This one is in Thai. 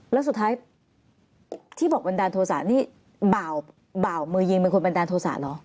แล้วสุดท้ายที่บอกบันดาลโทษะนี่บ่าวมือยิงเป็นคนบันดาลโทษะเหรอ